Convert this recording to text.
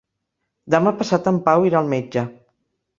Demà passat en Pau irà al metge.